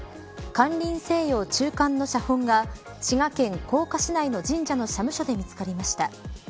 間林清陽、中巻の写本が滋賀県甲賀市内の神社の社務所で見つかりました。